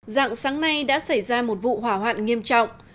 dạng sáng nay đã xảy ra một vụ hỏa hoạn nghiêm trọng